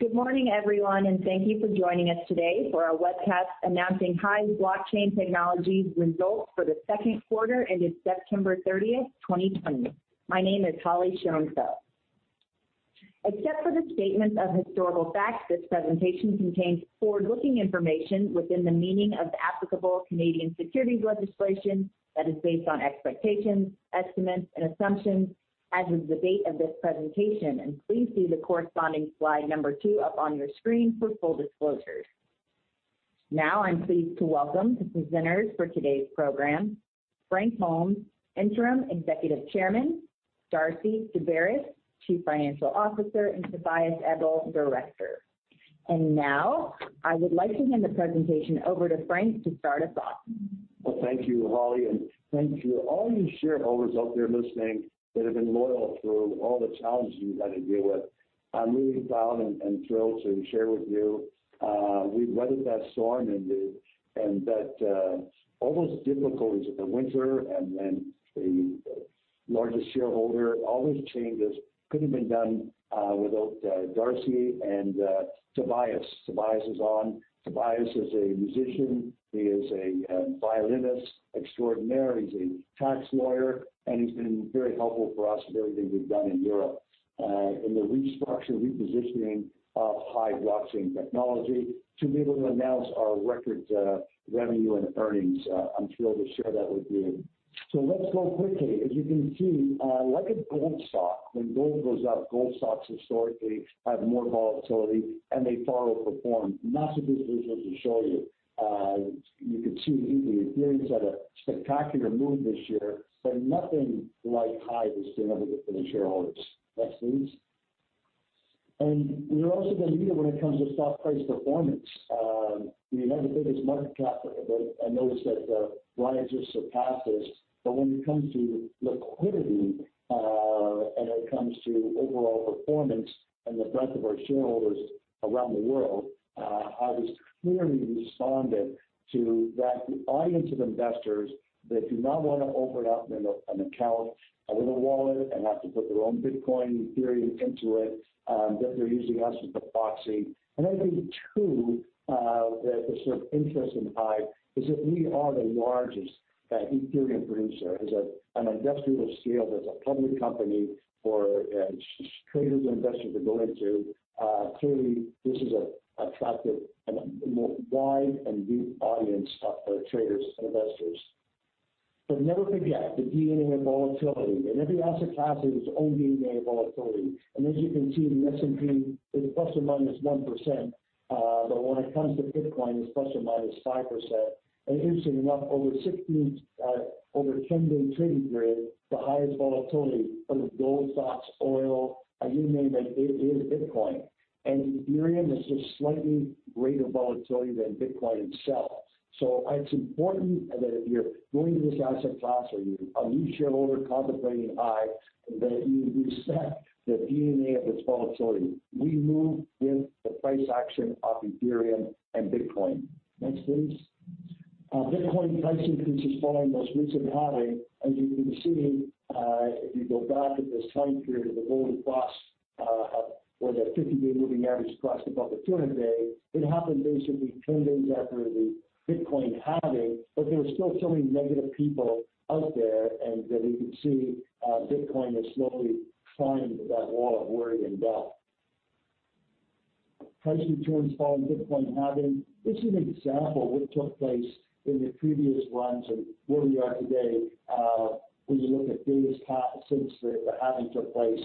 Good morning everyone, thank you for joining us today for our webcast announcing HIVE Blockchain Technologies Ltd. results for the second quarter ended September 30th, 2020. My name is Holly Schoenfeldt. Except for the statements of historical facts, this presentation contains forward-looking information within the meaning of the applicable Canadian securities legislation that is based on expectations, estimates, and assumptions as of the date of this presentation. Please see the corresponding slide two up on your screen for full disclosures. Now I'm pleased to welcome the presenters for today's program, Frank Holmes, Interim Executive Chairman, Darcy Daubaras, Chief Financial Officer, and Tobias Ebel, Director. Now I would like to hand the presentation over to Frank to start us off. Well, thank you, Holly, and thank you all you shareholders out there listening that have been loyal through all the challenges we've had to deal with. I'm really proud and thrilled to share with you, we've weathered that storm and all those difficulties of the winter and the largest shareholder, all those changes couldn't have been done without Darcy and Tobias. Tobias is on. Tobias is a musician. He is a violinist extraordinaire. He's a tax lawyer, and he's been very helpful for us with everything we've done in Europe, in the restructure and repositioning of HIVE Blockchain Technologies to be able to announce our record revenue and earnings. I'm thrilled to share that with you. Let's go quickly. As you can see, like a gold stock, when gold goes up, gold stocks historically have more volatility and they far outperform. Lots of good visuals to show you. You can see Ethereum's had a spectacular move this year, but nothing like HIVE has been able to do for the shareholders. Next, please. You're also going to hear when it comes to stock price performance, we have the biggest market cap, but I notice that RIOT just surpassed us, but when it comes to liquidity, and it comes to overall performance and the breadth of our shareholders around the world, HIVE has clearly responded to that audience of investors that do not want to open up an account with a wallet and have to put their own Bitcoin and Ethereum into it, that they're using us as a proxy. I think, too, that the sort of interest in HIVE is that we are the largest Ethereum producer. As an industrial scale, as a public company for traders and investors to go into, clearly this is attractive and a more wide and deep audience of traders and investors. Never forget the DNA of volatility. In every asset class, there is its own DNA of volatility. As you can see, the S&P is ±1%, but when it comes to Bitcoin, it's ±5%. Interestingly enough, over a 10-day trading period, the highest volatility out of gold stocks, oil, you name it is Bitcoin. Ethereum is just slightly greater volatility than Bitcoin itself. It's important that if you're going to this asset class or you're a new shareholder contemplating HIVE, that you respect the DNA of its volatility. We move with the price action of Ethereum and Bitcoin. Next, please. Bitcoin price increases following most recent halving. As you can see, if you go back at this time period of the golden cross, where the 50-day moving average crossed above the 200-day, it happened basically 10 days after the Bitcoin halving, but there are still so many negative people out there, and there you can see Bitcoin has slowly climbed that wall of worry and doubt. Price returns following Bitcoin halving. This is an example what took place in the previous ones and where we are today, when you look at days since the halving took place.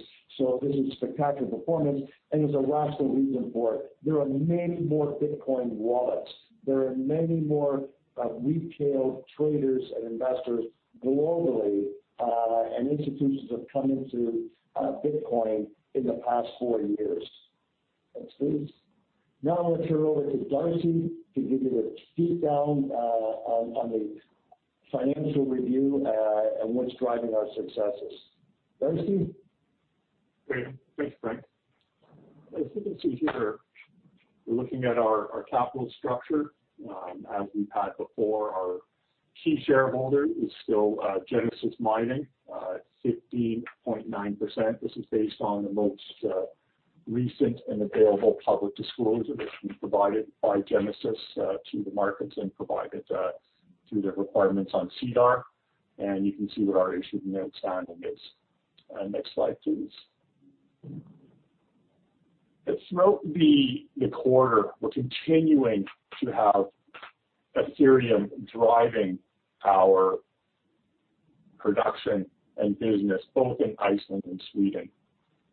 This is spectacular performance, and there's a rational reason for it. There are many more Bitcoin wallets. There are many more retail traders and investors globally, and institutions have come into Bitcoin in the past four years. Next, please. I want to turn it over to Darcy to give you the deep down on the financial review, and what's driving our successes. Darcy? Great. Thanks, Frank. As you can see here, we're looking at our capital structure. As we've had before, our key shareholder is still Genesis Mining at 15.9%. This is based on the most recent and available public disclosure that's been provided by Genesis to the markets and provided through their requirements on SEDAR, and you can see what our issued and outstanding is. Next slide, please. Throughout the quarter, we're continuing to have Ethereum driving our production and business, both in Iceland and Sweden.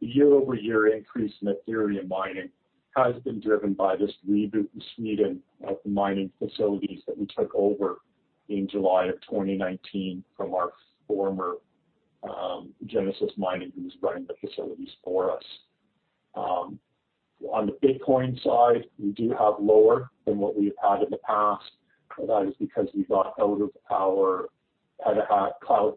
The year-over-year increase in Ethereum mining has been driven by this reboot in Sweden of the mining facilities that we took over in July of 2019 from our former Genesis Mining, who was running the facilities for us. On the Bitcoin side, we do have lower than what we have had in the past. That is because we got out of our Hashrate cloud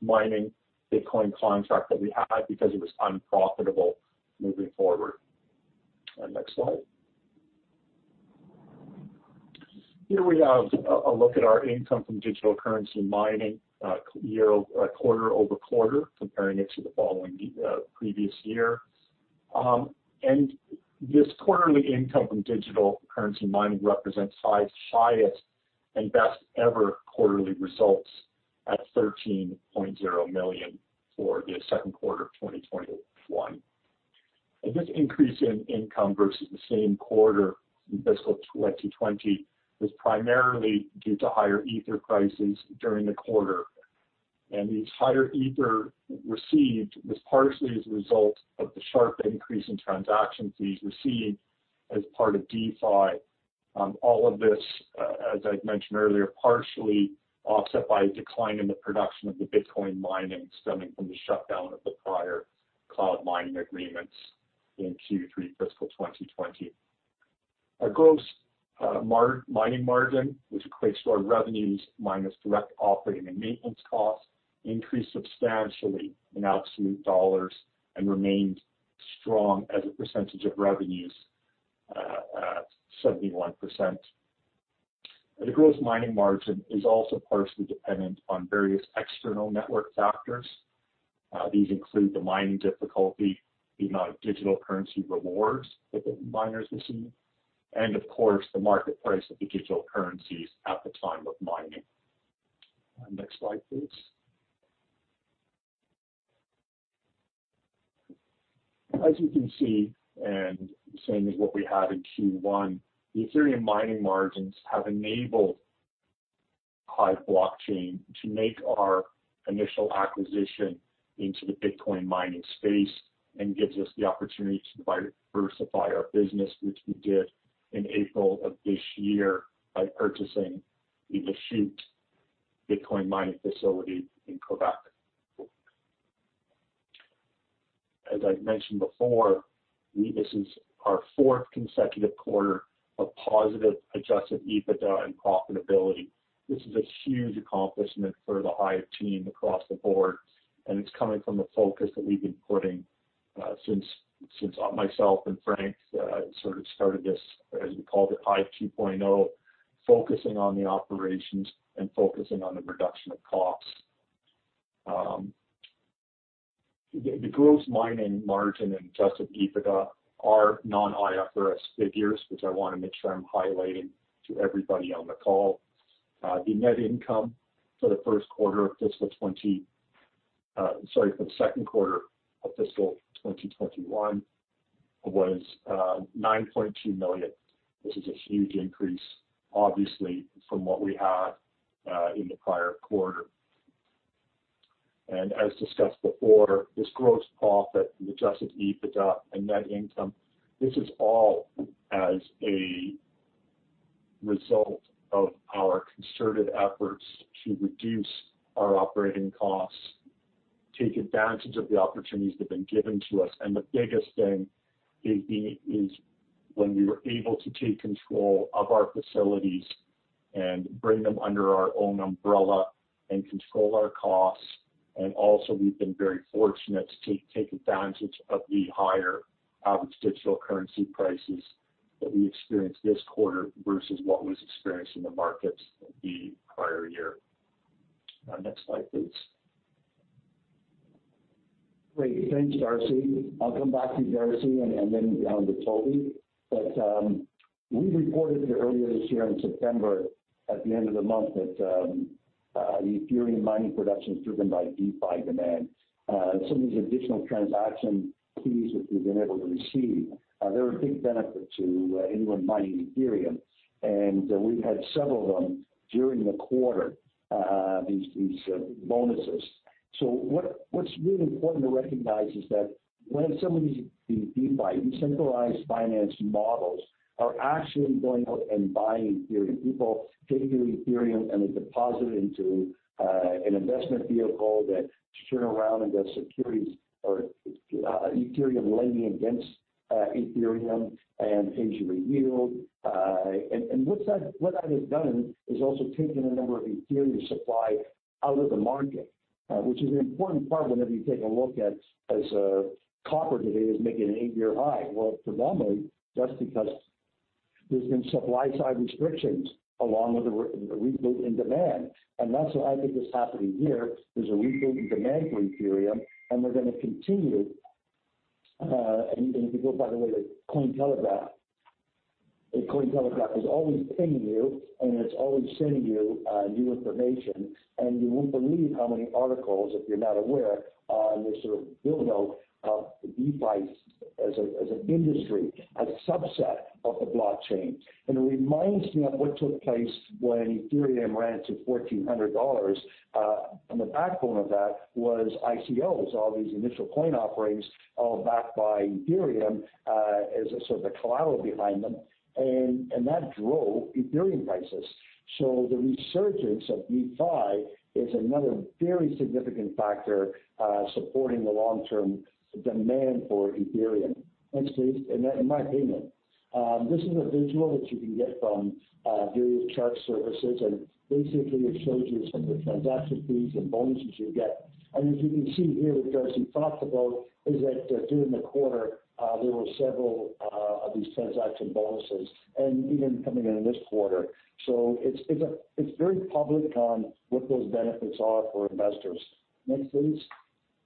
mining Bitcoin contract that we had because it was unprofitable moving forward. Next slide. Here we have a look at our income from digital currency mining quarter-over-quarter, comparing it to the following previous year. This quarterly income from digital currency mining represents HIVE's highest and best ever quarterly results at 13.0 million for the second quarter of 2021. This increase in income versus the same quarter in fiscal 2020 was primarily due to higher Ether prices during the quarter. These higher Ether received was partially as a result of the sharp increase in transaction fees received as part of DeFi. All of this, as I mentioned earlier, partially offset by a decline in the production of the Bitcoin mining stemming from the shutdown of the prior cloud mining agreements in Q3 fiscal 2020. Our gross mining margin, which equates to our revenues minus direct operating and maintenance costs, increased substantially in absolute dollars and remained strong as a percentage of revenues at 71%. The gross mining margin is also partially dependent on various external network factors. These include the mining difficulty, the amount of digital currency rewards that the miners receive, and of course, the market price of the digital currencies at the time of mining. Next slide, please. As you can see, and the same as what we had in Q1, the Ethereum mining margins have enabled HIVE Blockchain to make our initial acquisition into the Bitcoin mining space and gives us the opportunity to diversify our business, which we did in April of this year by purchasing the Lachute Bitcoin mining facility in Quebec. As I mentioned before, this is our fourth consecutive quarter of positive adjusted EBITDA and profitability. This is a huge accomplishment for the HIVE team across the board, and it's coming from the focus that we've been putting since myself and Frank sort of started this, as we called it, HIVE 2.0, focusing on the operations and focusing on the reduction of costs. The gross mining margin and adjusted EBITDA are non-IFRS figures, which I want to make sure I'm highlighting to everybody on the call. The net income for the second quarter of fiscal 2021 was 9.2 million. This is a huge increase, obviously, from what we had in the prior quarter. As discussed before, this gross profit and adjusted EBITDA and net income, this is all as a result of our concerted efforts to reduce our operating costs, take advantage of the opportunities that have been given to us, and the biggest thing is when we were able to take control of our facilities and bring them under our own umbrella and control our costs. Also we've been very fortunate to take advantage of the higher average digital currency prices that we experienced this quarter versus what was experienced in the markets in the prior year. Next slide, please. Great. Thanks, Darcy. I'll come back to Darcy and then down to Toby. We reported here earlier this year in September at the end of the month that the Ethereum mining production is driven by DeFi demand. Some of these additional transaction fees which we've been able to receive, they're a big benefit to anyone mining Ethereum, and we've had several of them during the quarter, these bonuses. What's really important to recognize is that when some of these DeFi, decentralized finance models, are actually going out and buying Ethereum, people taking Ethereum and they deposit it into an investment vehicle that turn around and does securities or Ethereum lending against Ethereum and pays you a yield. What that has done is also taken a number of Ethereum supply out of the market, which is an important part whenever you take a look at as copper today is making an eight-year high. Well, predominantly, that's because there's been supply side restrictions along with a reboot in demand. That's what I think is happening here. There's a reboot in demand for Ethereum, and they're going to continue. If you go, by the way, to Cointelegraph is always pinging you, and it's always sending you new information, and you won't believe how many articles, if you're not aware, on this sort of build-outof DeFi as an industry, as a subset of the blockchain. It reminds me of what took place when Ethereum ran to 1,400 dollars. The backbone of that was ICOs, all these initial coin offerings, all backed by Ethereum as a sort of the collateral behind them, and that drove Ethereum prices. The resurgence of DeFi is another very significant factor supporting the long-term demand for Ethereum. Next, please. In my opinion. This is a visual that you can get from various chart services, and basically it shows you some of the transaction fees and bonuses you get. As you can see here, what Darcy talked about is that during the quarter, there were several of these transaction bonuses and even coming into this quarter. It's very public on what those benefits are for investors. Next, please.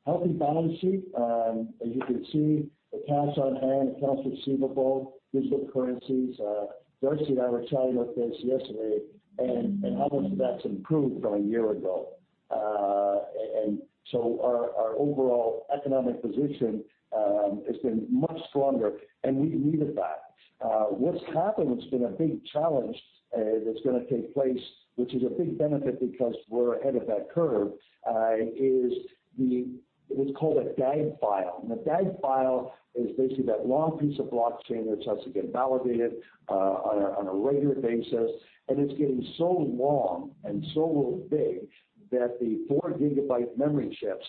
Healthy balance sheet. As you can see, the cash on hand, accounts receivable, cryptocurrencies. Darcy and I were chatting about this yesterday and how much that's improved from a year ago. Our overall economic position has been much stronger, and we needed that. What's happened, what's been a big challenge that's going to take place, which is a big benefit because we're ahead of that curve, is what's called a DAG file. A DAG file is basically that long piece of blockchain that has to get validated on a regular basis. It's getting so long and so big that the 4 GB memory chips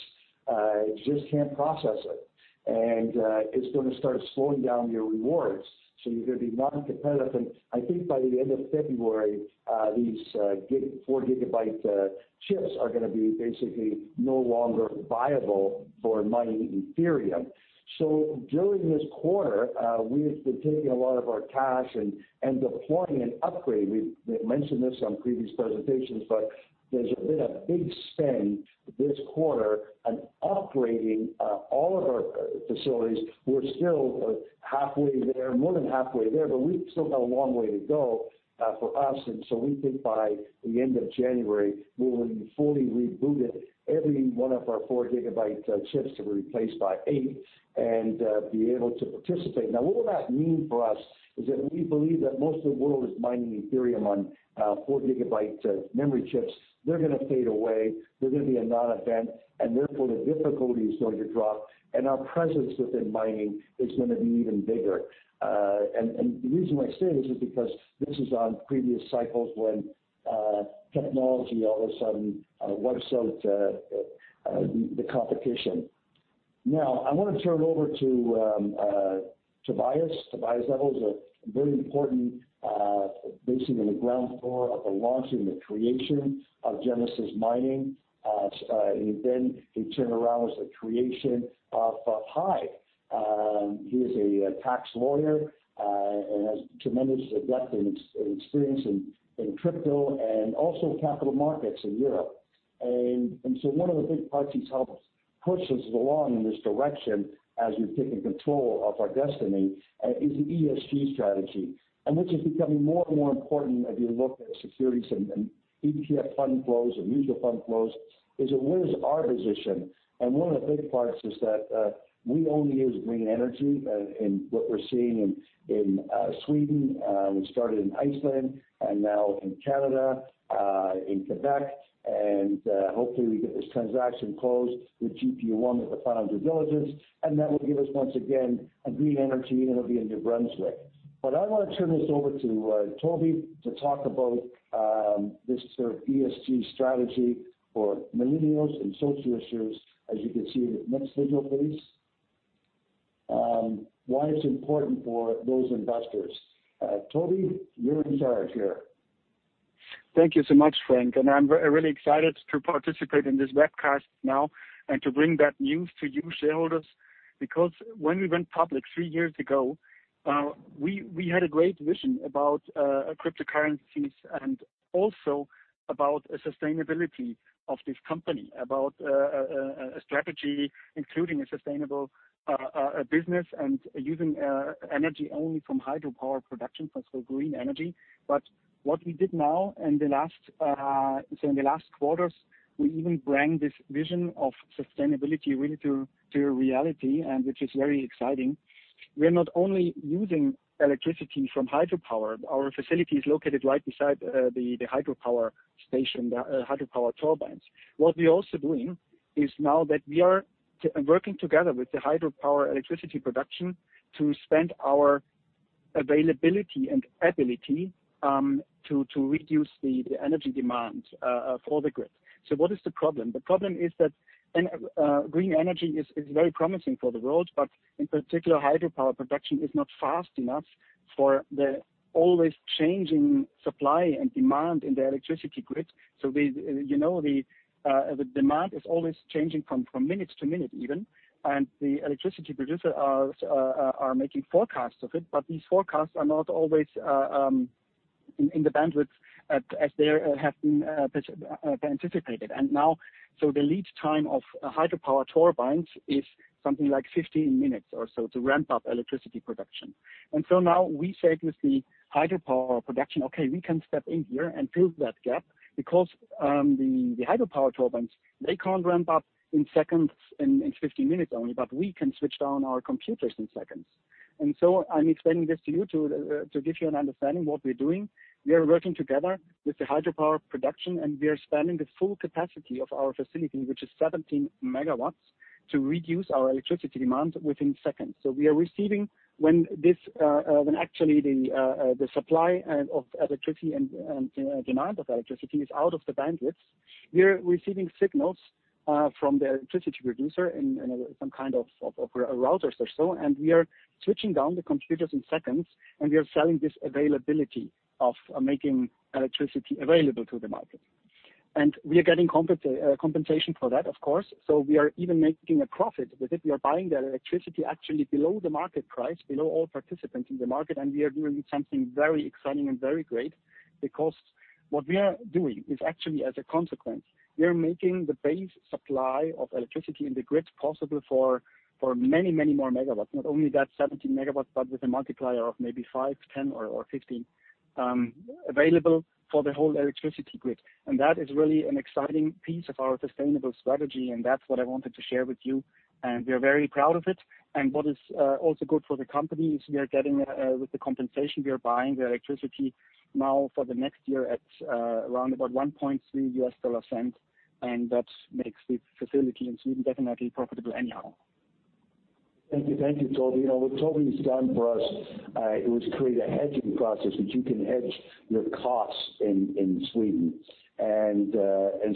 just can't process it. It's going to start slowing down your rewards, so you're going to be non-competitive. I think by the end of February, these 4 GB chips are going to be basically no longer viable for mining Ethereum. During this quarter, we have been taking a lot of our cash and deploying and upgrading. We've mentioned this on previous presentations, but there's been a big spend this quarter on upgrading all of our facilities. We're still halfway there, more than halfway there, but we've still got a long way to go for us. We think by the end of January, we'll be fully rebooted. Every one of our 4 GB chips will be replaced by 8 GB and be able to participate. Now, what will that mean for us is that we believe that most of the world is mining Ethereum on 4 GB memory chips. They're going to fade away. They're going to be a non-event. The difficulty is going to drop, and our presence within mining is going to be even bigger. The reason why I say this is because this is on previous cycles when technology all of a sudden wipes out the competition. I want to turn over to Tobias. Tobias Ebel is a very important, basically in the ground floor of the launch and the creation of Genesis Mining. He turned around with the creation of HIVE. He is a tax lawyer and has tremendous depth and experience in crypto and also capital markets in Europe. One of the big parts he's helped push us along in this direction as we've taken control of our destiny is the ESG strategy. Which is becoming more and more important as you look at securities and ETF fund flows and mutual fund flows, is where is our position? One of the big parts is that we only use green energy in what we're seeing in Sweden. We started in Iceland and now in Canada, in Quebec. Hopefully we get this transaction closed with GPU.ONE with the founder diligence, and that will give us once again a green energy, and it'll be in New Brunswick. I want to turn this over to Toby to talk about this sort of ESG strategy for millennials and social issues, as you can see in the next visual, please. Why it's important for those investors. Toby, you're in charge here. Thank you so much, Frank. I'm really excited to participate in this webcast now and to bring that news to you shareholders. When we went public three years ago, we had a great vision about cryptocurrencies and also about sustainability of this company, about a strategy including a sustainable business and using energy only from hydropower production, so green energy. What we did now in the last quarters, we even bring this vision of sustainability really to reality, and which is very exciting. We are not only using electricity from hydropower. Our facility is located right beside the hydropower station, the hydropower turbines. What we're also doing is now that we are working together with the hydropower electricity production to spend our availability and ability to reduce the energy demand for the grid. What is the problem? The problem is that green energy is very promising for the world, but in particular, hydropower production is not fast enough for the always-changing supply and demand in the electricity grid. The demand is always changing from minute to minute even, and the electricity producers are making forecasts of it, but these forecasts are not always in the bandwidth as they have been anticipated. The lead time of a hydropower turbine is something like 15 minutes or so to ramp up electricity production. We say to the hydropower production, "Okay, we can step in here and fill that gap," because the hydropower turbines, they can't ramp up in seconds, in 15 minutes only, but we can switch down our computers in seconds. I'm explaining this to you to give you an understanding what we're doing. We are working together with the hydropower production, we are spanning the full capacity of our facility, which is 17 MW, to reduce our electricity demand within seconds. We are receiving when actually the supply of electricity and demand of electricity is out of the bandwidths. We are receiving signals from the electricity producer in some kind of routers or so, and we are switching down the computers in seconds, and we are selling this availability of making electricity available to the market. We are getting compensation for that, of course. We are even making a profit with it. We are buying that electricity actually below the market price, below all participants in the market. We are doing something very exciting and very great because what we are doing is actually as a consequence, we are making the base supply of electricity in the grid possible for many, many more megawatt. Not only that 17 MW, but with a multiplier of maybe 5, 10 or 15 available for the whole electricity grid. That is really an exciting piece of our sustainable strategy and that's what I wanted to share with you, and we are very proud of it. What is also good for the company is we are getting with the compensation, we are buying the electricity now for the next year at around about $0.013. That makes the facility in Sweden definitely profitable anyhow. Thank you, Toby. What Toby has done for us, it was create a hedging process that you can hedge your costs in Sweden and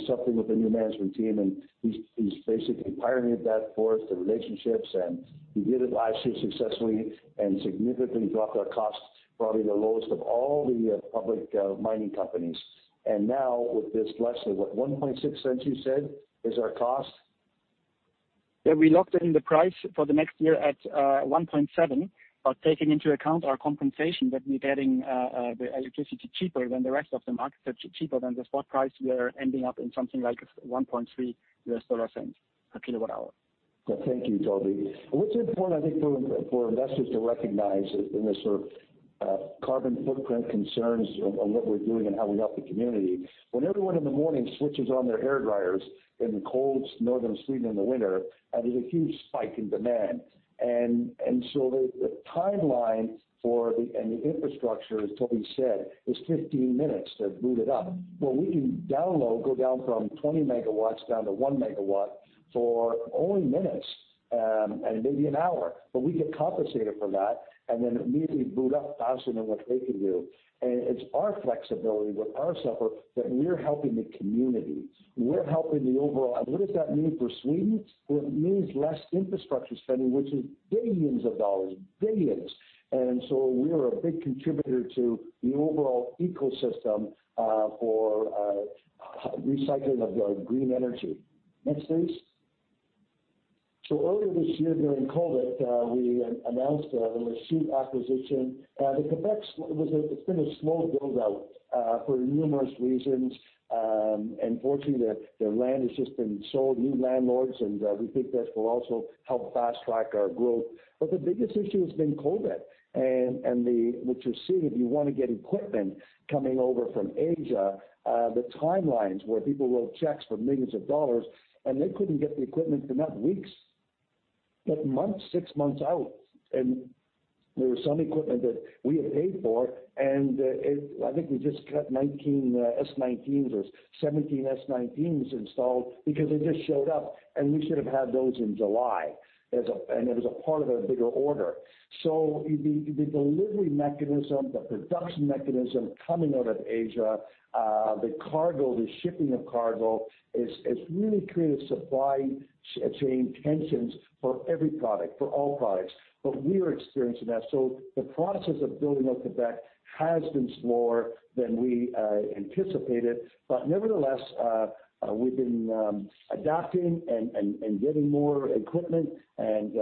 something with the new management team. He's basically pioneered that for us, the relationships. He did it last year successfully and significantly dropped our costs, probably the lowest of all the public mining companies. Now with this, less than, what, 0.0160 you said is our cost? Yeah, we locked in the price for the next year at $0.017, but taking into account our compensation that we are getting the electricity cheaper than the rest of the market, cheaper than the spot price, we are ending up in something like $0.013 a kilowatt hour. Thank you, Toby. What is important, I think, for investors to recognize in this sort of carbon footprint concerns on what we are doing and how we help the community, when everyone in the morning switches on their hairdryers in the cold northern Sweden in the winter, there is a huge spike in demand. The timeline for the, and the infrastructure, as Toby said, is 15 minutes to boot it up. We can download, go down from 20 MW down to 1 MW for only minutes, and maybe an hour, but we get compensated for that and then immediately boot up faster than what they can do. It is our flexibility with our software that we are helping the community. We are helping the overall. What does that mean for Sweden? It means less infrastructure spending, which is billions dollars. We are a big contributor to the overall ecosystem for recycling of green energy. Next, please. Earlier this year during COVID, we announced the Lachute acquisition. The Quebec, it's been a slow build-out, for numerous reasons. Fortunately, their land has just been sold, new landlords, and we think this will also help fast-track our growth. The biggest issue has been COVID and what you're seeing, if you want to get equipment coming over from Asia, the timelines where people wrote checks for millions of dollars, and they couldn't get the equipment for not weeks, but months, six months out. There was some equipment that we had paid for, and I think we just got 19 S19s or 17 S19s installed because they just showed up, and we should have had those in July. It was a part of a bigger order. The delivery mechanism, the production mechanism coming out of Asia, the cargo, the shipping of cargo has really created supply chain tensions for every product, for all products. We are experiencing that. The process of building out Quebec has been slower than we anticipated. Nevertheless, we've been adapting and getting more equipment and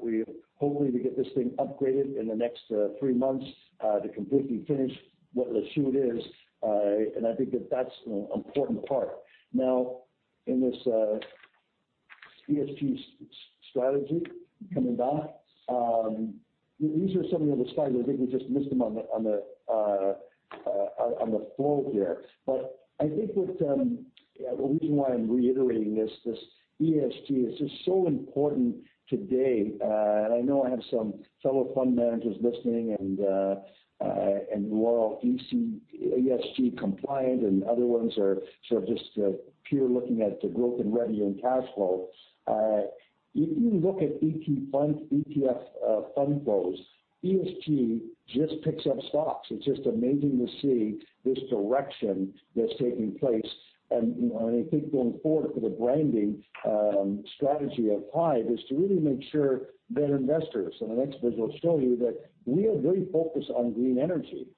we're hoping to get this thing upgraded in the next three months, to completely finish what Lachute is. I think that that's an important part. In this ESG strategy, coming back, these are some of the slides. I think we just missed them on the flow here. I think that the reason why I'm reiterating this ESG is just so important today. I know I have some fellow fund managers listening and who are all ESG compliant, and other ones are sort of just pure looking at the growth and revenue and cash flow. If you look at ETF fund flows, ESG just picks up stocks. It's just amazing to see this direction that's taking place. I think going forward for the branding strategy at HIVE is to really make sure that investors, and the next visual will show you that we are very focused on green energy.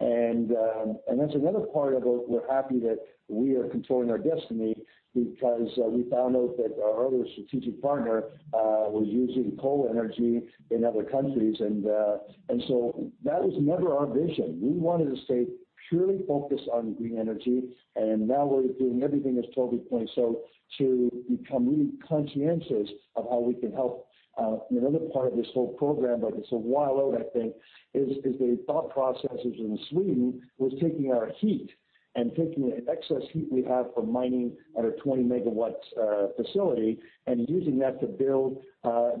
That's another part of it. We're happy that we are controlling our destiny because we found out that our other strategic partner was using coal energy in other countries. That was never our vision. We wanted to stay purely focused on green energy. Now we're doing everything, as Toby points out, to become really conscientious of how we can help. Another part of this whole program, but it's a while out, I think, is the thought processes in Sweden was taking our heat and taking the excess heat we have from mining at our 20 MW facility and using that to build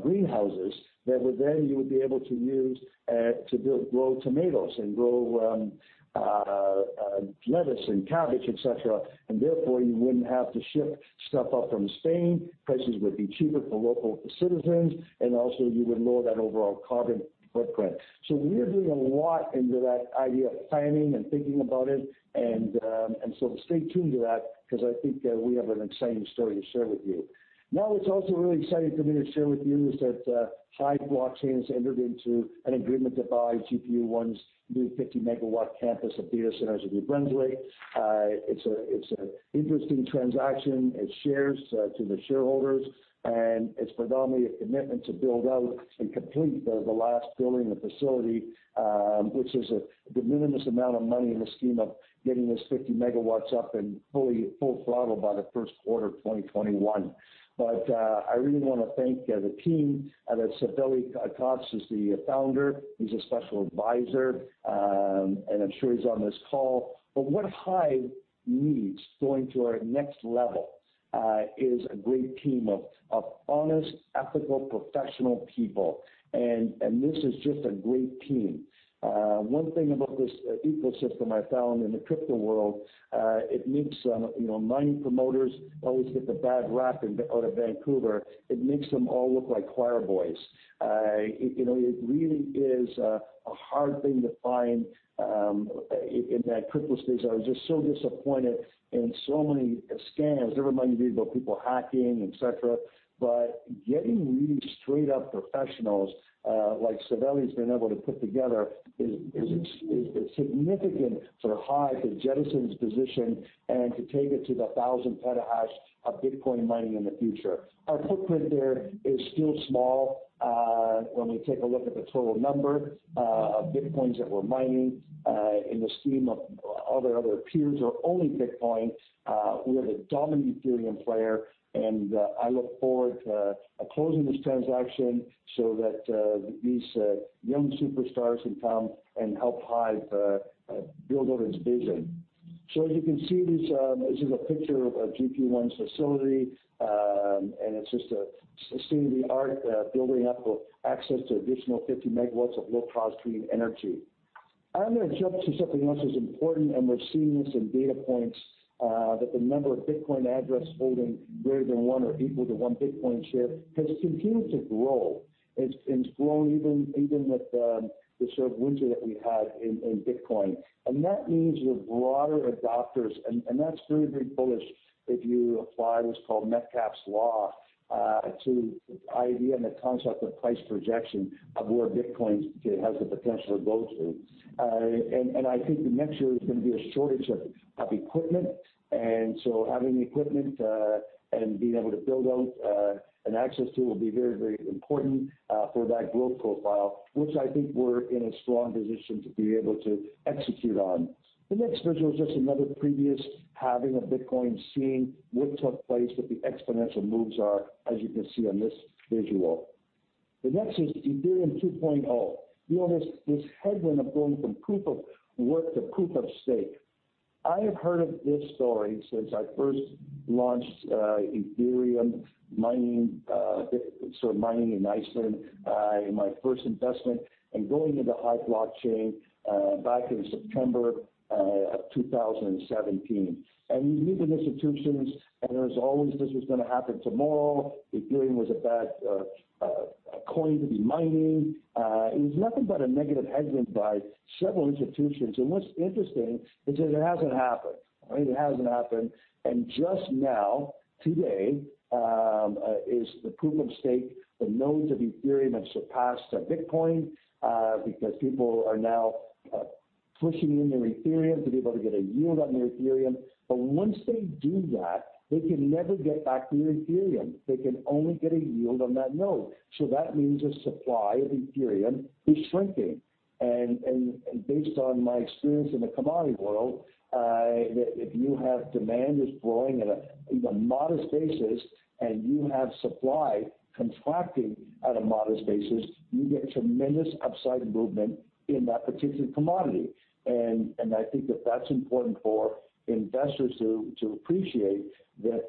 greenhouses that would then you would be able to use to grow tomatoes and grow lettuce and cabbage, et cetera. Therefore, you wouldn't have to ship stuff up from Spain. Prices would be cheaper for local citizens, also you would lower that overall carbon footprint. We are doing a lot into that idea of planning and thinking about it. Stay tuned to that because I think that we have an exciting story to share with you. What's also really exciting for me to share with you is that HIVE Blockchain has entered into an agreement to buy GPU.ONE's new 50 MW campus at data centers in New Brunswick. It's an interesting transaction. It shares to the shareholders, and it's predominantly a commitment to build out and complete the last building, the facility, which is a de minimis amount of money in the scheme of getting this 50 MW up and fully full throttle by the first quarter of 2021. I really want to thank the team. Saveli Kotz is the founder. He's a special advisor. I'm sure he's on this call. What HIVE needs going to our next level is a great team of honest, ethical, professional people. This is just a great team. One thing about this ecosystem I found in the crypto world, mining promoters always get the bad rap out of Vancouver. It makes them all look like choir boys. It really is a hard thing to find in that crypto space. I was just so disappointed in so many scams. Everybody reads about people hacking, et cetera, but getting really straight-up professionals, like Saveli's been able to put together, is significant for HIVE to jettison its position and to take it to the 1,000 petahash of Bitcoin mining in the future. Our footprint there is still small when we take a look at the total number of Bitcoins that we're mining in the scheme of all their other peers who are only Bitcoin. We are the dominant Ethereum player, and I look forward to closing this transaction so that these young superstars can come and help HIVE build out its vision. As you can see, this is a picture of GPU.ONE's facility, and it's just a state-of-the-art building up with access to additional 50 MW of low-cost green energy. I'm going to jump to something else that's important, and we're seeing this in data points, that the number of Bitcoin addresses holding greater than one or equal to one Bitcoin share has continued to grow. It's grown even with the sort of winter that we had in Bitcoin. That means your broader adopters, and that's very big bullish if you apply what's called Metcalfe's law to the idea and the concept of price projection of where Bitcoin has the potential to go to. I think that next year there's going to be a shortage of equipment, having the equipment and being able to build out an access tool will be very important for that growth profile, which I think we're in a strong position to be able to execute on. The next visual is just another previous halving of Bitcoin, seeing what took place, what the exponential moves are, as you can see on this visual. The next is Ethereum 2.0. This headwind of going from proof of work to proof of stake. I have heard of this story since I first launched Ethereum mining in Iceland in my first investment, and going into HIVE Blockchain back in September of 2017. You meet with institutions, and there's always this was going to happen tomorrow. Ethereum was a bad coin to be mining. It was nothing but a negative headwind by several institutions. What's interesting is that it hasn't happened. It hasn't happened. Just now, today, is the proof of stake. The nodes of Ethereum have surpassed Bitcoin because people are now pushing in their Ethereum to be able to get a yield on their Ethereum. Once they do that, they can never get back their Ethereum. They can only get a yield on that node. That means the supply of Ethereum is shrinking. Based on my experience in the commodity world, if you have demand that's growing at a modest basis and you have supply contracting at a modest basis, you get tremendous upside movement in that particular commodity. I think that that's important for investors to appreciate that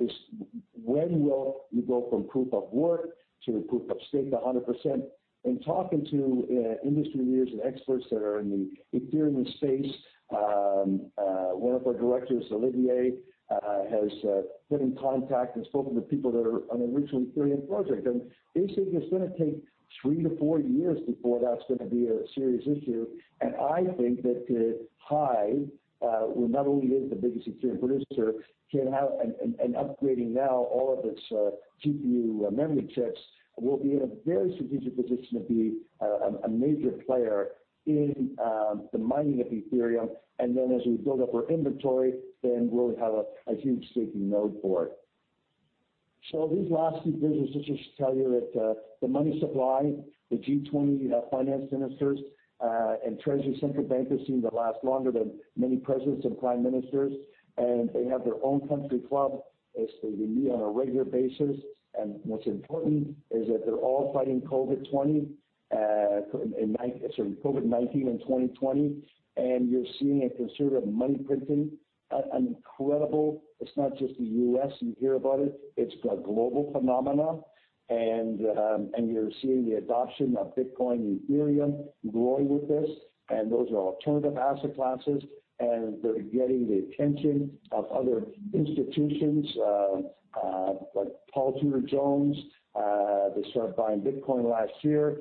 when will you go from proof of work to proof of stake 100%. In talking to industry leaders and experts that are in the Ethereum space, one of our directors, Olivier, has been in contact and spoken to people that are on the original Ethereum project. They say it's going to take three to four years before that's going to be a serious issue. I think that HIVE will not only be the biggest Ethereum producer and upgrading now all of its GPU memory chips, we'll be in a very strategic position to be a major player in the mining of Ethereum. As we build up our inventory, then we'll have a huge staking node for it. These last few visuals just tell you that the money supply, the G20 finance ministers and treasury central bankers seem to last longer than many presidents and prime ministers. They have their own country club. They meet on a regular basis. What's important is that they're all fighting COVID-19 in 2020, and you're seeing a conservative money printing. It's not just the U.S. you hear about it's a global phenomena. You're seeing the adoption of Bitcoin and Ethereum growing with this, and those are alternative asset classes, and they're getting the attention of other institutions. Like Paul Tudor Jones, they started buying Bitcoin last year,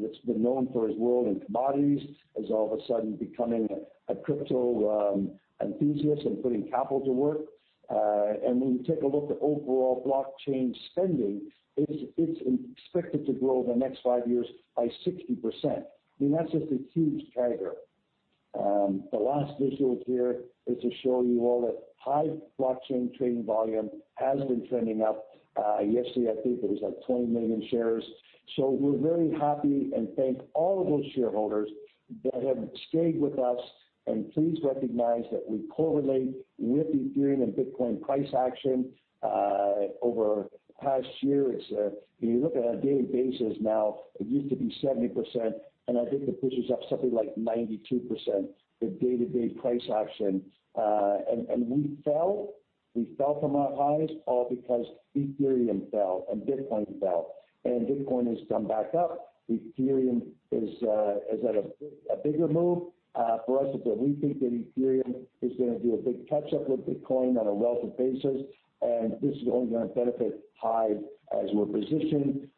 that's been known for his role in commodities, is all of a sudden becoming a crypto enthusiast and putting capital to work. When you take a look at overall blockchain spending, it's expected to grow in the next five years by 60%. That's just a huge driver. The last visual here is to show you all that HIVE Blockchain trading volume has been trending up. Yesterday, I think it was like 20 million shares. We're very happy and thank all of those shareholders that have stayed with us. Please recognize that we correlate with Ethereum and Bitcoin price action. Over the past year, if you look at our daily basis now, it used to be 70%, and I think it pushes up something like 92%, the day-to-day price action. We fell from our highs all because Ethereum fell and Bitcoin fell. Bitcoin has come back up. Ethereum is at a bigger move. For us, we think that Ethereum is going to do a big catch up with Bitcoin on a relative basis, and this is only going to benefit HIVE as we're positioned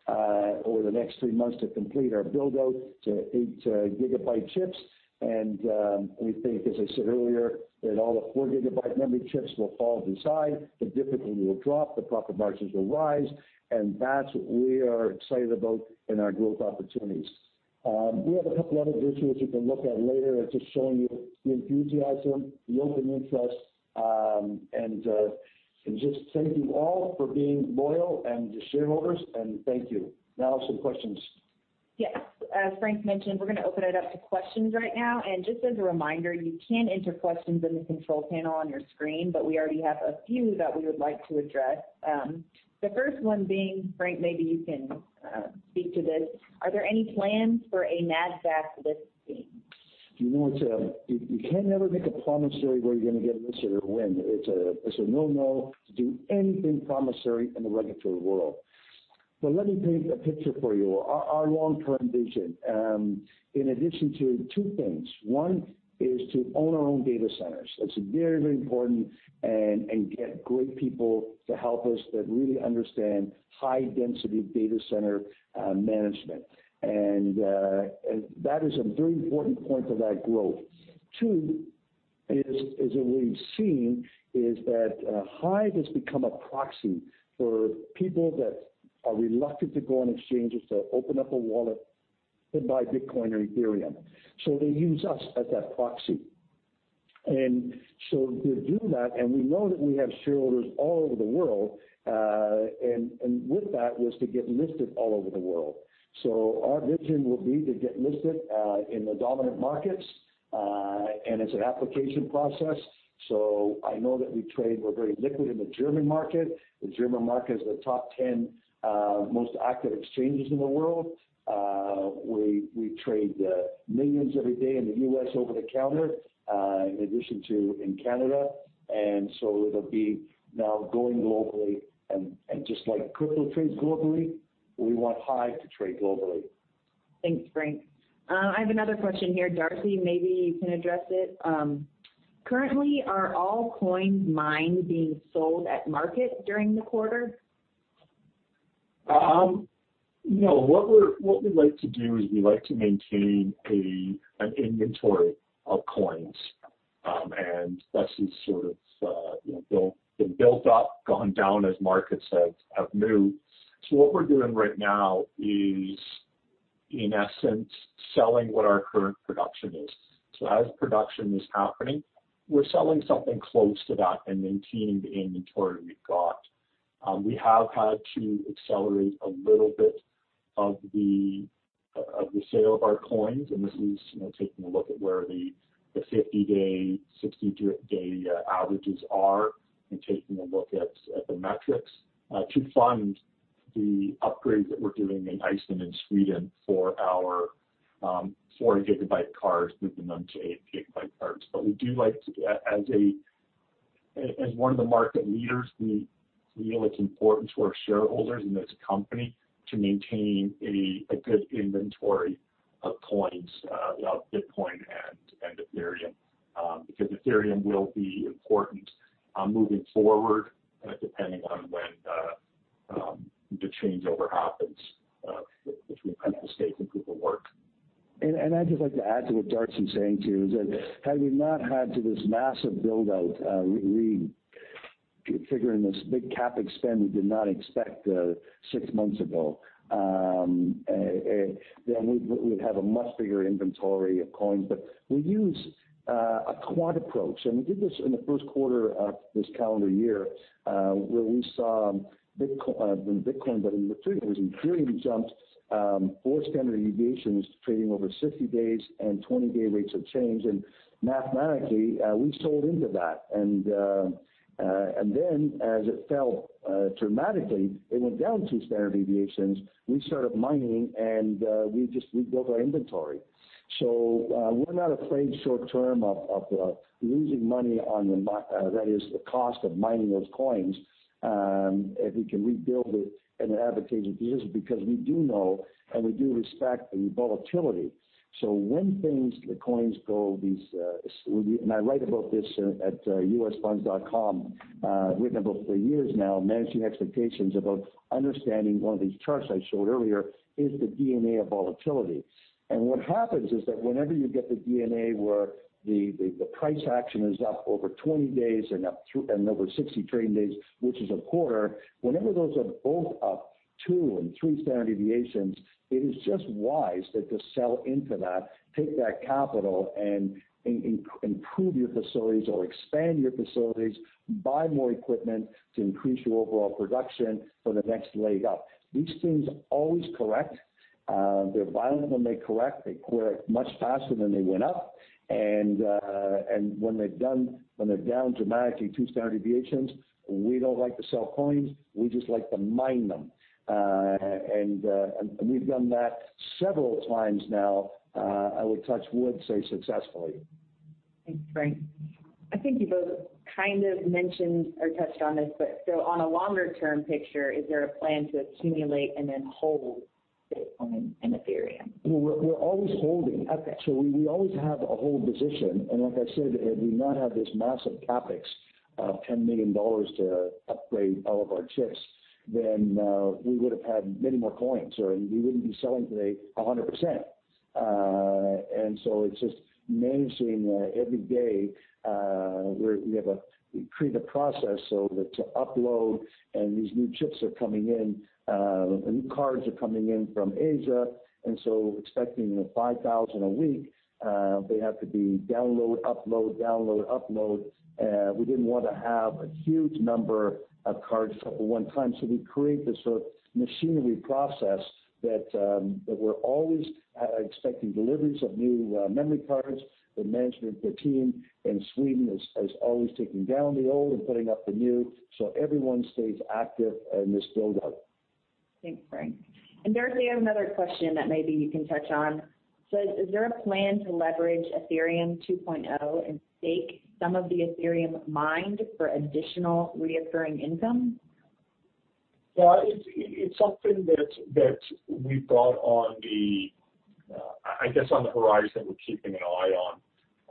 over the next three months to complete our build-out to 8 GB chips. We think, as I said earlier, that all the 4 GB memory chips will fall inside, the difficulty will drop, the profit margins will rise, and that is what we are excited about in our growth opportunities. We have a couple other visuals you can look at later, just showing you the enthusiasm, the open interest, and just thank you all for being loyal and shareholders, and thank you. Now some questions. Yes. As Frank mentioned, we're going to open it up to questions right now. Just as a reminder, you can enter questions in the control panel on your screen, but we already have a few that we would like to address. The first one being, Frank, maybe you can speak to this. Are there any plans for a Nasdaq listing? You can never make a promissory where you're going to get a listed win. It's a no-no to do anything promissory in the regulatory world. Let me paint a picture for you. Our long-term vision, in addition to two things. One is to own our own data centers. That's very important, and get great people to help us that really understand high-density data center management. That is a very important point of that growth. Two is that what we've seen is that HIVE has become a proxy for people that are reluctant to go on exchanges to open up a wallet to buy Bitcoin or Ethereum. They use us as that proxy. To do that, and we know that we have shareholders all over the world, and with that, was to get listed all over the world. Our vision will be to get listed in the dominant markets, and it's an application process. I know that we trade, we're very liquid in the German market. The German market is the top 10 most active exchanges in the world. We trade millions every day in the U.S. over the counter, in addition to in Canada. It'll be now going globally and just like crypto trades globally, we want HIVE to trade globally. Thanks, Frank. I have another question here. Darcy, maybe you can address it. Currently, are all coins mined being sold at market during the quarter? No. What we like to do is we like to maintain an inventory of coins. That's been built up, gone down as markets have moved. What we're doing right now is, in essence, selling what our current production is. As production is happening, we're selling something close to that and maintaining the inventory we've got. We have had to accelerate a little bit of the sale of our coins, and this is taking a look at where the 50-day, 60-day averages are and taking a look at the metrics to fund the upgrades that we're doing in Iceland and Sweden for our 4 GB cards, moving them to 8 GB cards. As one of the market leaders, we feel it's important to our shareholders and as a company to maintain a good inventory of coins, of Bitcoin and Ethereum because Ethereum will be important moving forward depending on when the changeover happens between proof of stake and proof of work. I'd just like to add to what Darcy's saying, too, is that had we not had this massive build-out refiguring this big CapEx we did not expect six months ago, then we'd have a much bigger inventory of coins. We use a quant approach, and we did this in the first quarter of this calendar year, where we saw Bitcoin, but Ethereum jumped four standard deviations, trading over 60 days and 20-day rates of change. Mathematically, we sold into that. As it fell dramatically, it went down two standard deviations. We started mining and we built our inventory. We're not afraid short term of losing money on the cost of mining those coins if we can rebuild it in an advantageous position because we do know and we do respect the volatility. When the coins go these and I write about this at usfunds.com. I've written about it for years now, managing expectations about understanding one of these charts I showed earlier is the DNA of volatility. What happens is that whenever you get the DNA where the price action is up over 20 days and over 60 trading days, which is a quarter, whenever those are both up two and three standard deviations, it is just wise that to sell into that, take that capital and improve your facilities or expand your facilities, buy more equipment to increase your overall production for the next leg up. These things always correct. They're violent when they correct. They correct much faster than they went up, and when they're down dramatically two standard deviations, we don't like to sell coins. We just like to mine them. We've done that several times now, I would touch wood, say successfully. Thanks, Frank. I think you both kind of mentioned or touched on this, but so on a longer-term picture, is there a plan to accumulate and then hold Bitcoin and Ethereum? Well, we're always holding. Okay. We always have a hold position, and like I said, had we not had this massive CapEx of 10 million dollars to upgrade all of our chips, then we would've had many more coins, or we wouldn't be selling today 100%. It is just managing every day. We create a process so that to upload and these new chips are coming in, and new cards are coming in from Asia. Expecting 5,000 a week, they have to be download, upload, download, upload. We didn't want to have a huge number of cards at one time. We create this sort of machinery process that we're always expecting deliveries of new memory cards. The management, the team in Sweden is always taking down the old and putting up the new. Everyone stays active in this buildup. Thanks, Frank. Darcy, I have another question that maybe you can touch on. Is there a plan to leverage Ethereum 2.0 and stake some of the Ethereum mined for additional reoccurring income? Well, it's something that we've got on the, I guess, on the horizon, we're keeping an eye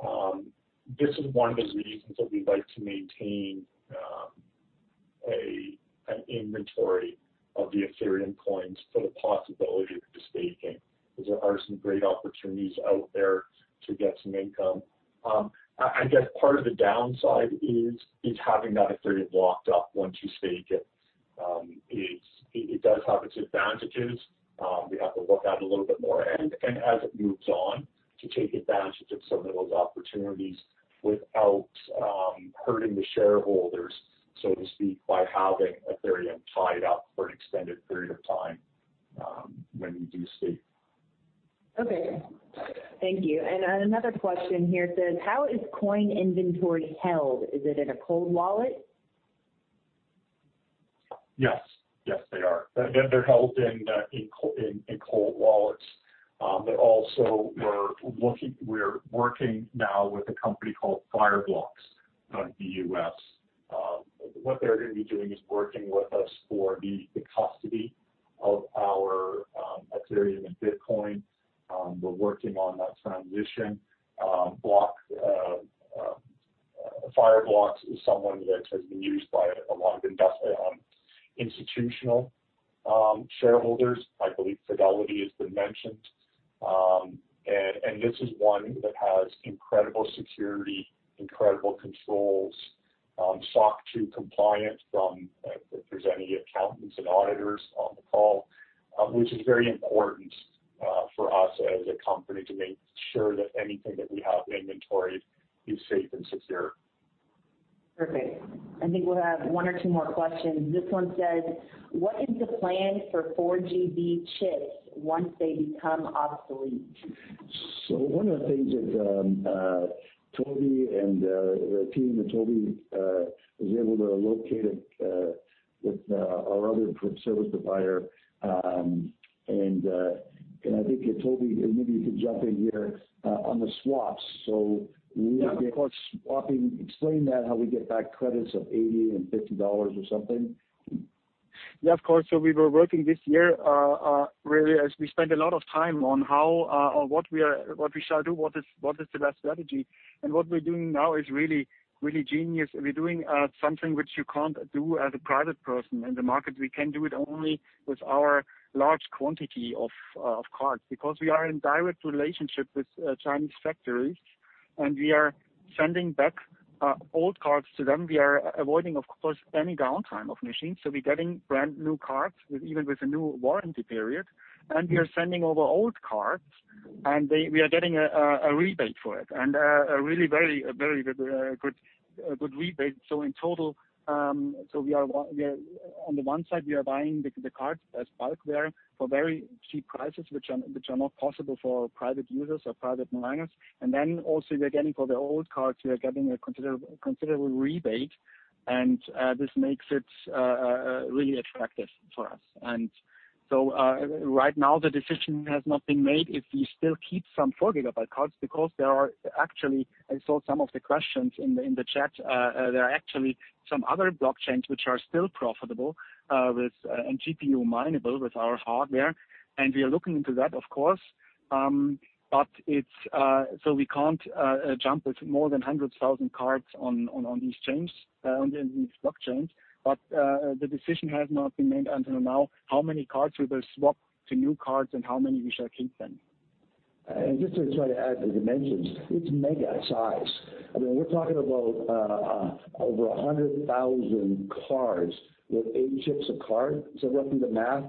on. This is one of those reasons that we like to maintain an inventory of the Ethereum coins for the possibility of the staking, because there are some great opportunities out there to get some income. I guess part of the downside is having that Ethereum locked up once you stake it. It does have its advantages. We have to look at it a little bit more and as it moves on, to take advantage of some of those opportunities without hurting the shareholders, so to speak, by having Ethereum tied up for an extended period of time when we do stake. Okay. Thank you. Another question here says, "How is coin inventory held? Is it in a cold wallet? Yes. Yes, they are. They're held in cold wallets. Also we're working now with a company called Fireblocks out of the U.S. What they're going to be doing is working with us for the custody of our Ethereum and Bitcoin. We're working on that transition. Fireblocks is someone that has been used by a lot of institutional shareholders. I believe Fidelity has been mentioned. This is one that has incredible security, incredible controls, SOC 2 compliance from, if there's any accountants and auditors on the call, which is very important for us as a company to make sure that anything that we have inventoried is safe and secure. Perfect. I think we'll have one or two more questions. This one says, "What is the plan for 4 GB chips once they become obsolete? One of the things that Toby and the team that Toby was able to locate with our other service provider, and I think Toby, maybe you could jump in here, on the swaps. Yeah, of course. swapping, explain that, how we get back credits of $80 and $50 or something. Yeah, of course. We were working this year, really, as we spent a lot of time on how or what we shall do, what is the best strategy. What we're doing now is really genius. We're doing something which you can't do as a private person in the market. We can do it only with our large quantity of cards because we are in direct relationship with Chinese factories, and we are sending back old cards to them. We are avoiding, of course, any downtime of machines. We're getting brand-new cards, even with a new warranty period, and we are sending over old cards, and we are getting a rebate for it, and a really very good rebate. In total, on the one side, we are buying the cards as bulk there for very cheap prices, which are not possible for private users or private miners. Also, we are getting for the old cards, we are getting a considerable rebate, and this makes it really attractive for us. Right now, the decision has not been made if we still keep some 4 GB cards because there are actually, I saw some of the questions in the chat, there are actually some other blockchains which are still profitable and GPU mineable with our hardware. We are looking into that, of course. We can't jump with more than 100,000 cards on these chains, on these blockchains. The decision has not been made until now, how many cards we will swap to new cards and how many we shall keep then. Just to try to add, as you mentioned, it is mega size. I mean, we are talking about over 100,000 cards with eight chips a card. Run through the math.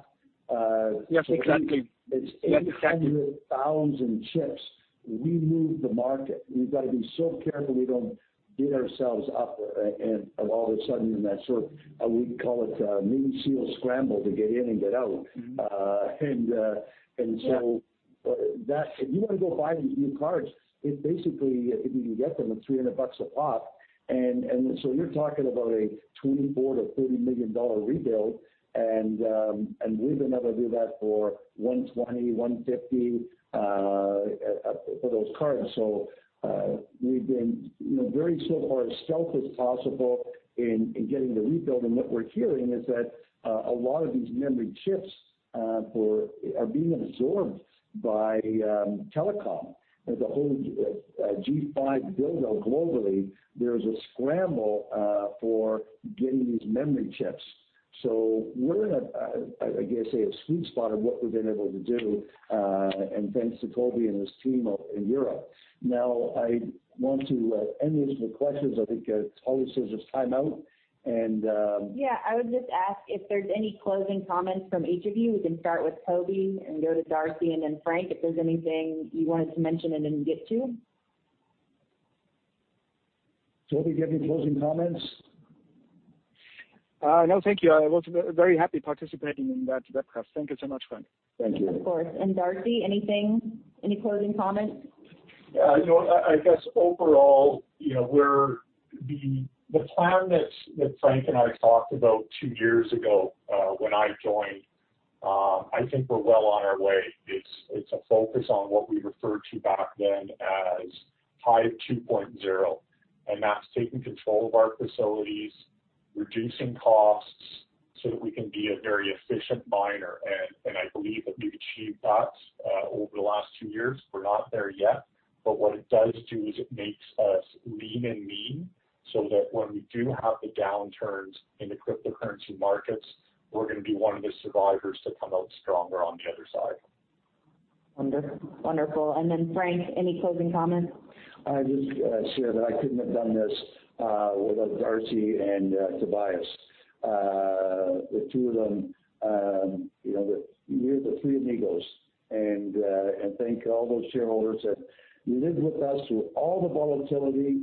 Yes, exactly. It's 800,000 chips. We move the market. We've got to be so careful we don't get ourselves up and all of a sudden in that sort of, we call it Navy SEAL scramble to get in and get out. If you want to go buy these new cards, it basically, if you can get them at 300 bucks a pop, you're talking about a 24 million or 30 million dollar rebuild, we will never do that for those cards. We've been very so far as stealth as possible in getting the rebuild. What we're hearing is that a lot of these memory chips are being absorbed by telecom. There's a whole 5G build-out globally. There's a scramble for getting these memory chips. We're in, I guess a sweet spot of what we've been able to do, thanks to Toby and his team over in Europe. I want to end this with questions. I think Holly says it's time out. Yeah, I would just ask if there's any closing comments from each of you. We can start with Toby and go to Darcy and then Frank, if there's anything you wanted to mention and didn't get to. Toby, do you have any closing comments? No, thank you. I was very happy participating in that webcast. Thank you so much, Frank. Thank you. Of course. Darcy, anything? Any closing comments? I guess overall, the plan that Frank and I talked about two years ago, when I joined, I think we're well on our way. It's a focus on what we referred to back then as HIVE 2.0, and that's taking control of our facilities, reducing costs, so that we can be a very efficient miner. I believe that we've achieved that over the last two years. We're not there yet, but what it does do is it makes us lean and mean, so that when we do have the downturns in the cryptocurrency markets, we're going to be one of the survivors to come out stronger on the other side. Wonderful. Frank, any closing comments? I just share that I couldn't have done this without Darcy and Tobias. The two of them, we're the three amigos and thank all those shareholders that lived with us through all the volatility.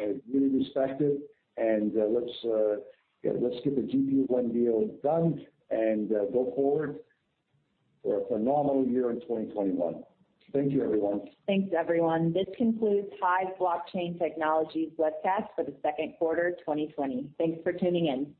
I really respect it. Let's get the GPU.ONE deal done and go forward for a phenomenal year in 2021. Thank you, everyone. Thanks, everyone. This concludes HIVE Blockchain Technologies webcast for the second quarter 2020. Thanks for tuning in.